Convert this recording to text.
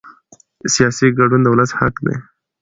سیاسي ګډون د ولس حق دی